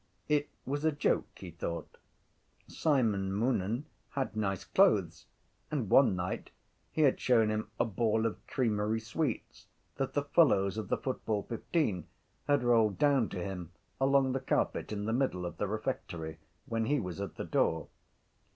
It was a joke, he thought. Simon Moonan had nice clothes and one night he had shown him a ball of creamy sweets that the fellows of the football fifteen had rolled down to him along the carpet in the middle of the refectory when he was at the door.